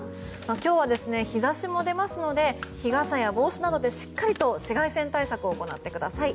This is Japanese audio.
今日は日差しも出ますので日傘や帽子などでしっかりと紫外線対策を行ってください。